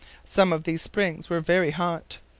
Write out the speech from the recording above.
Some of these springs were very hot.